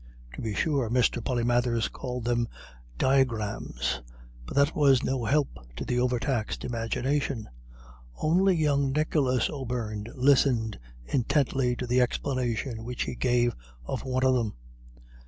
To be sure Mr. Polymathers called them dygrims, but that was no help to the overtaxed imagination. Only young Nicholas O'Beirne listened intently to the explanation which he gave of one of them.